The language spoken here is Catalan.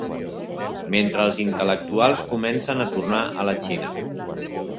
Mentre els intel·lectuals comencen a tornar a la Xina.